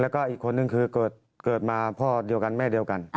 แล้วก็อีกคนนึงคือเกิดมาพ่อเดียวกันแม่เดียวกัน